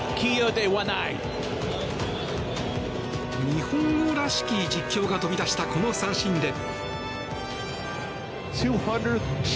日本語らしき実況が飛び出したこの三振で。